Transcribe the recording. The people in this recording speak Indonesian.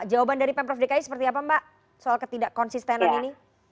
jawaban dari pemprov dki seperti apa mbak soal ketidak konsistenan ini